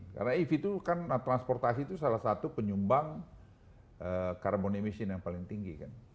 karena ev itu kan transportasi itu salah satu penyumbang carbon emission yang paling tinggi kan